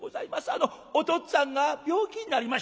あのおとっつぁんが病気になりまして」。